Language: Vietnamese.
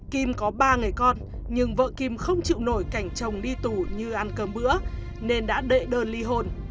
kim có ba người con nhưng vợ kim không chịu nổi cảnh chồng đi tù như ăn cơm bữa nên đã đệ đơn ly hôn